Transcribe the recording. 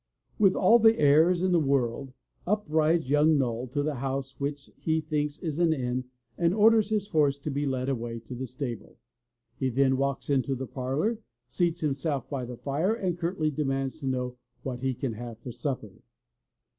With all the airs in the world, up rides young Noll to the house which he thinks is an inn and orders his horse to be led away to the stable! He then walks into the parlor, seats himself by the fire and curtly demands to know what he can have for supper!